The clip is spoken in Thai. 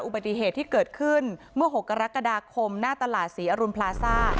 อุบัติเหตุที่เกิดขึ้นเมื่อ๖กรกฎาคมหน้าตลาดศรีอรุณพลาซ่า